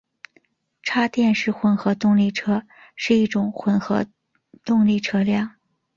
插电式混合动力车是一种混合动力车辆。